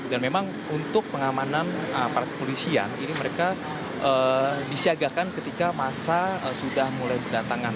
dan memang untuk pengamanan para polisian ini mereka disiagakan ketika masa sudah mulai berdatangan